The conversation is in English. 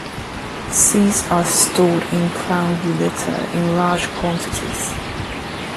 Seeds are stored in plant litter in large quantities.